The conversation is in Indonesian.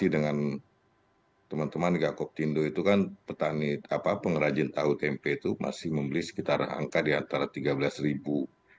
tapi dengan teman teman gakok tindo itu kan petani apa pengrajin tauhutat mp itu masih membeli sekitar angka di antara tiga belas ribu